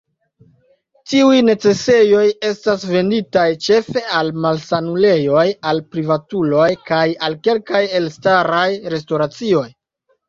Tiuj necesejoj estas venditaj ĉefe al malsanulejoj, al privatuloj kaj al kelkaj elstaraj restoracioj.